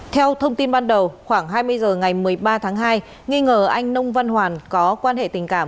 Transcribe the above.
theo thông tin ban đầu khoảng hai mươi h ngày một mươi ba tháng hai nghi ngờ anh nông văn hoàn có quan hệ tình cảm